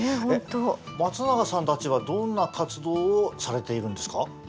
松永さんたちはどんな活動をされているんですか？